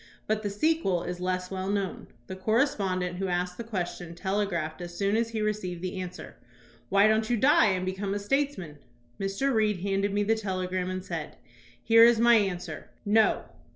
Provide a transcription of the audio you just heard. But the sequel is less well known. The correspondent who asked the question telegraphed as soon as he received the answer, "Why don't you die and become a statesman?" Mr. Reed handed me the telegram and said: "Here is my answer: 'No.